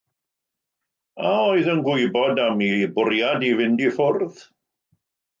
A oedd yn gwybod am eu bwriad i fynd i ffwrdd?